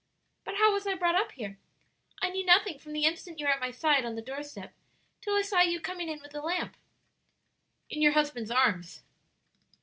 "But how was I brought up here? I knew nothing from the instant you were at my side on the door step till I saw you coming in with the lamp." "In your husband's arms."